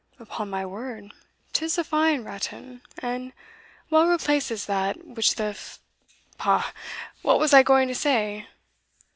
"Upon my word, 'tis a fine ratan, and well replaces that which the ph Bah! what was I going to say?"